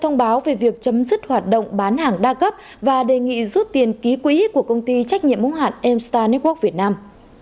thông báo về việc chấm dứt hoạt động bán hàng đa cấp và đề nghị rút tiền ký quỹ của công ty trách nhiệm ủng hạn mstan network việt nam